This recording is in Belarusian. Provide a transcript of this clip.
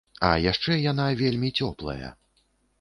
А яшчэ яна вельмі цёплая.